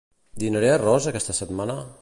Dinaré arròs aquesta setmana?